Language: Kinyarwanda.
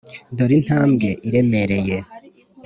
dore intambwe iremereye